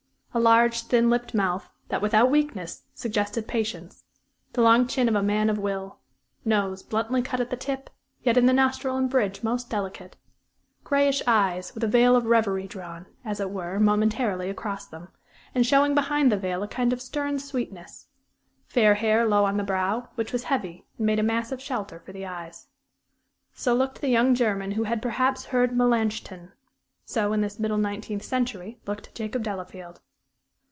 A large, thin lipped mouth that, without weakness, suggested patience; the long chin of a man of will; nose, bluntly cut at the tip, yet in the nostril and bridge most delicate; grayish eyes, with a veil of reverie drawn, as it were, momentarily across them, and showing behind the veil a kind of stern sweetness; fair hair low on the brow, which was heavy, and made a massive shelter for the eyes. So looked the young German who had perhaps heard Melanchthon; so, in this middle nineteenth century, looked Jacob Delafield.